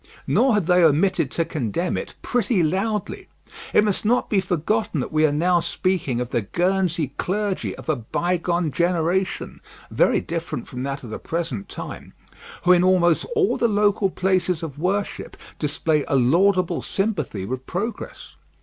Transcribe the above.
Nor had they omitted to condemn it pretty loudly. It must not be forgotten that we are now speaking of the Guernsey clergy of a bygone generation, very different from that of the present time, who in almost all the local places of worship display a laudable sympathy with progress.